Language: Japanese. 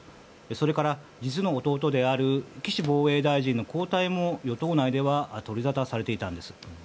それから、実の弟である岸防衛大臣の交代も与党内では取りざたされていたんです。